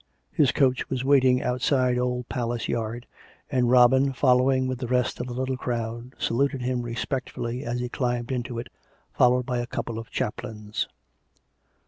His coach was waiting outside Old Palace Yard, and Robin, following with the rest of the little crowd, saluted him respectfully as he climbed into it, followed by a couple of chaplains.